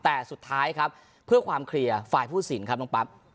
แต่สุดท้ายครับเพื่อความเคลียร์ฝ่ายผู้สินครับน้องปั๊บ